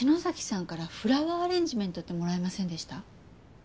さんからフラワーアレンジメントってもらいませんでした？